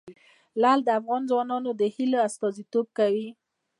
لعل د افغان ځوانانو د هیلو استازیتوب کوي.